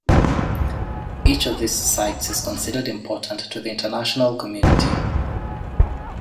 Each of these sites is considered important to the international community.